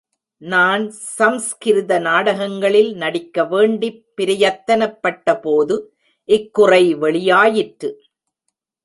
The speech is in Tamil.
நான் சம்ஸ்கிருத நாடகங்களில் நடிக்கவேண்டிப் பிரயத்தனபட்டபோது, இக் குறை வெளியாயிற்று.